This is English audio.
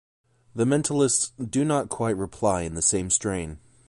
The mentalists do not quite reply in the same strain.